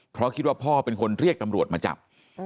เพราะคิดว่าพ่อเป็นคนเรียกตำรวจมาจับ